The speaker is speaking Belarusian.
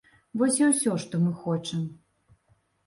Вось і ўсё, што мы хочам.